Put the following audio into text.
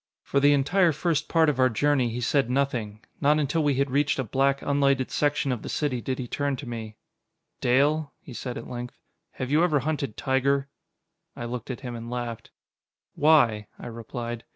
For the entire first part of our journey he said nothing. Not until we had reached a black, unlighted section of the city did he turn to me. "Dale," he said at length, "have you ever hunted tiger?" I looked at him and laughed. "Why?" I replied.